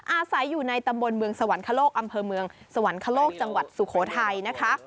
อาศัยอยู่ในตำบลเมืองสวรรคโลกอำเภอเมืองสวรรคโลกจังหวัดสุโขทัยนะคะ